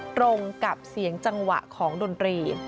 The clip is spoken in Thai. ตรงกับเสียงจังหวะของดนตรี